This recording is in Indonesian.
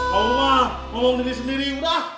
pak buma ngomong sendiri sendiri udah